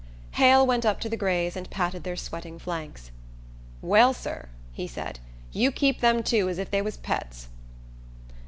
Hale went up to the grays and patted their sweating flanks. "Well, sir," he said, "you keep them two as if they was pets."